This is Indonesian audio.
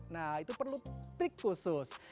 nah itu perlu trik khusus